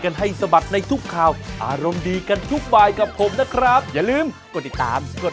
เอาไปน้องผัดกันดูนะ